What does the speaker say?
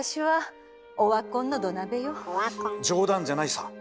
冗談じゃないさ。